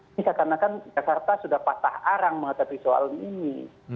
ini seakan akan jakarta sudah patah arang menghadapi soal ini